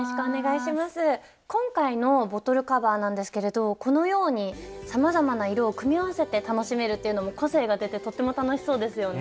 今回のボトルカバーなんですけれどこのようにさまざまな色を組み合わせて楽しめるっていうのも個性が出てとっても楽しそうですよね。